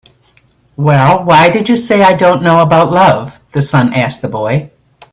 "Well, why did you say that I don't know about love?" the sun asked the boy.